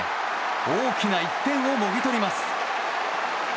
大きな１点をもぎ取ります。